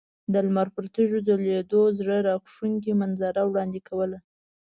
د لمر پر تیږو ځلیدو زړه راښکونکې منظره وړاندې کوله.